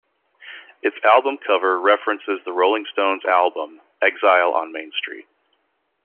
Its album cover references The Rolling Stones' album "Exile on Main Street".